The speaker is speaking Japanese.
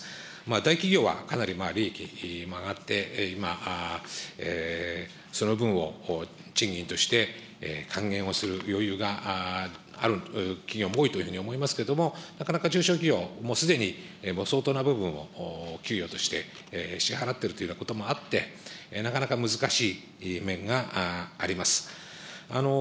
大企業はかなり利益も上がって、今、その分を賃金として還元をする余裕がある企業も多いというふうに思いますけれども、なかなか中小企業、もうすでに相当な部分を給与として支払っているというようなこともあって、なかなか難しい面があります。